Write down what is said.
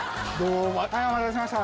大変お待たせしました。